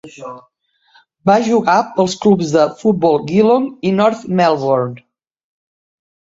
Va jugar pels clubs de futbol Geelong i North Melbourne.